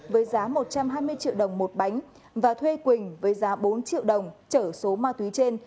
với giá một trăm hai mươi triệu đồng một bánh và thuê quỳnh với giá bốn triệu đồng trở số ma túy trên